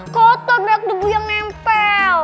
kota berat tubuh yang nempel